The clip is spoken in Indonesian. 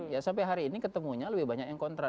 ya sampai hari ini ketemunya lebih banyak yang kontra